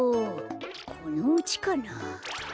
このうちかな？